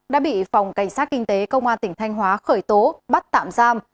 đã bị phòng cảnh sát kinh tế công an tỉnh thanh hóa khởi tố bắt tạm giam